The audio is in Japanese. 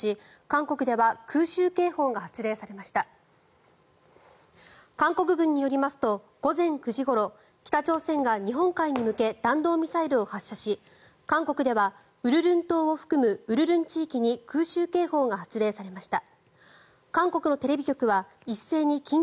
韓国軍によりますと午前９時ごろ北朝鮮が日本海に向け弾道ミサイルを発射し韓国では鬱陵島を含む鬱陵地域に空襲警報が発令されました。